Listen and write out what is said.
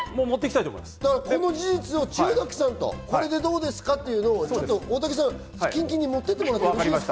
この事実をこれでどうですか？というのを大竹さん近々に持って行ってもらっていいですか？